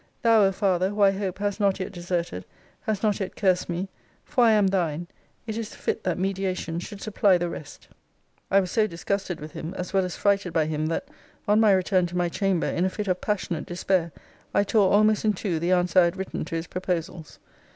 Thou, O Father, who, I hope, hast not yet deserted, hast not yet cursed me! For I am thine! It is fit that mediation should supply the rest. I was so disgusted with him, as well as frighted by him, that on my return to my chamber, in a fit of passionate despair, I tore almost in two the answer I had written to his proposals.